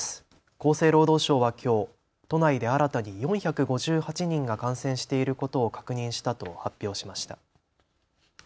厚生労働省はきょう都内で新たに４５８人が感染していることを確認したと発表しました。